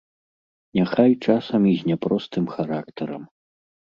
Няхай часам і з няпростым характарам.